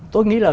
tôi nghĩ là